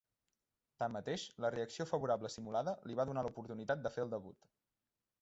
Tanmateix, la reacció favorable simulada li va donar l'oportunitat de fer el debut.